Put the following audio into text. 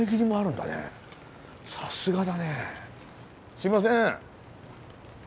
すいません。